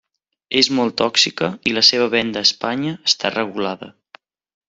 És molt tòxica i la seva venda a Espanya està regulada.